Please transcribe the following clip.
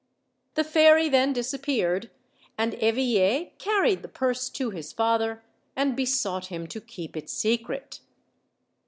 The fairy then disappeared, and Eveille carried the purse to his father, and besought him to keep it secret.